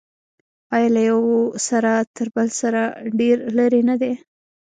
آیا له یوه سر تر بل سر ډیر لرې نه دی؟